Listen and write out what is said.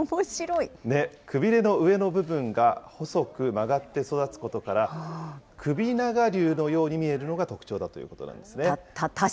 ね、くびれの上の部分が細く曲がって育つことから、首長竜のように見えるのが特徴だということなんですね。